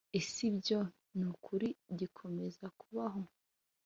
ese ibyo ni ukuri gikomeza kubaho ‽